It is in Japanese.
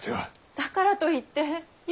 だからといってゆうを。